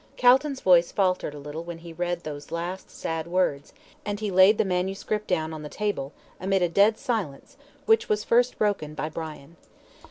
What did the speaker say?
Calton's voice faltered a little when he read those last sad words, and he laid the manuscript down on the table, amid a dead silence, which was first broken by Brian.